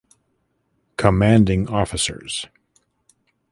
Commanding officers